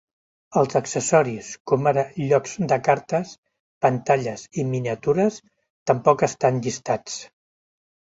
Els accessoris, com ara llocs de cartes, pantalles i miniatures tampoc estan llistats.